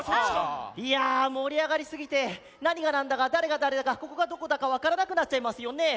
いやあもりあがりすぎてなにがなんだかだれがだれだかここがどこだかわからなくなっちゃいますよねえ。